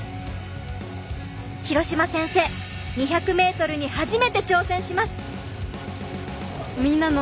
廣島先生２００ｍに初めて挑戦します！